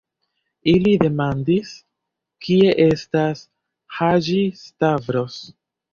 Ili demandis, kie estas Haĝi-Stavros.